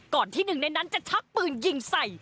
ที่หนึ่งในนั้นจะชักปืนยิงใส่